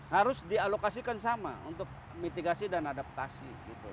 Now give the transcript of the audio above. harus dialokasikan sama untuk mitigasi dan adaptasi